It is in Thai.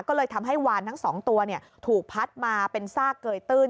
ก็เลยทำให้วานทั้ง๒ตัวถูกพัดมาเป็นซากเกยตื้น